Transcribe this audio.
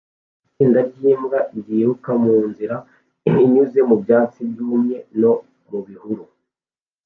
Itsinda ryimbwa ryiruka munzira inyuze mu byatsi byumye no mu bihuru